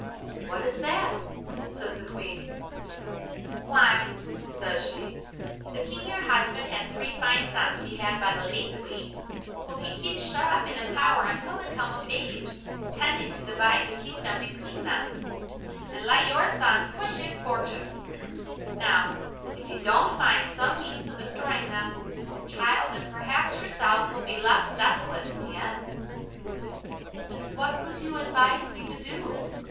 'What is that?' says the Queen. 'Why,' says she, 'the King your husband has three fine sons he had by the late Queen, whom he keeps shut up in a tower until they come of age, intending to divide the kingdom between them, and let your son push his fortune; now, if you don't find some means of destroying them; your child and perhaps yourself will be left desolate in the end.' 'And what would you advise me to do?